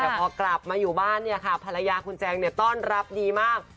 แต่พอกลับมาอยู่บ้านภรรยาคุณแจ๊งต้อนรับดีมาก